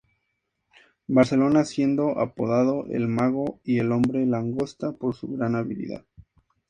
Barcelona, siendo apodado "el mago" y "el hombre langosta" por su gran habilidad.